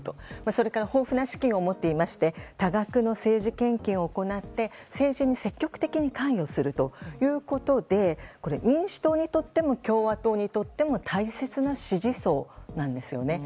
それから豊富な資金を持っていまして多額の政治献金を行って、政治に積極的に関与するということで民主党にとっても共和党にとっても大切な支持層なんですね。